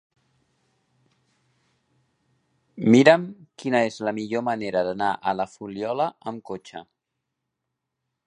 Mira'm quina és la millor manera d'anar a la Fuliola amb cotxe.